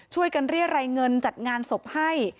ช่วยกันเรียรายเงินจัดงานศพให้